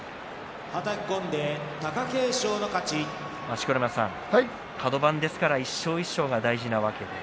錣山さん、カド番ですから一勝一勝が大事なわけです。